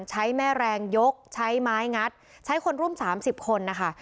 ใช้แม่แรงยกใช้ไม้งัดใช้คนร่วม๓๐คนนะคะ